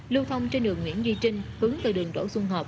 lưu thông trên đường nguyễn duy trinh hướng từ đường đổ xung hợp